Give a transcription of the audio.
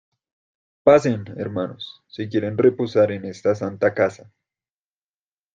pasen, hermanos , si quieren reposar en esta santa casa.